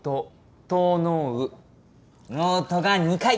「ノウト」が２回。